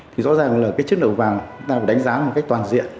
thì rõ ràng là cái chất lượng vào ta phải đánh giá một cách toàn diện